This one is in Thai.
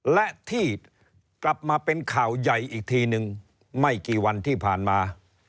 และที่กลับมาเป็นข่าวใหญ่อีกทีนึงไม่กี่วันที่ผ่านมา